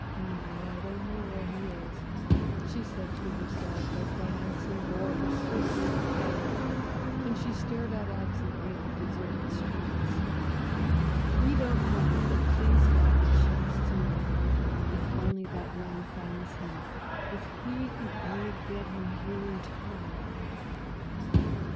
"No, I don't know where he is," she said to herself, as the hansom bore her swiftly up town, and she stared out absently at the deserted streets. "We don't know, but please God, we shall soon. If only that man finds him, if he can only get him here in time."